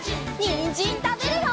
にんじんたべるよ！